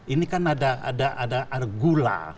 ini kan ada argula